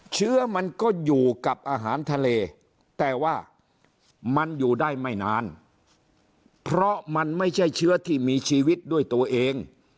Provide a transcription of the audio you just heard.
เชื้อมันก็อยู่กับอาหารทะเลแต่ว่ามันอยู่ได้ไม่นานเพราะมันไม่ใช่เชื้อที่มีชีวิตด้วยตัวเอง